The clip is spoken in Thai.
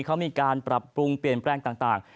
เขามีการปรับปรุงเปลี่ยนแปลงต่าง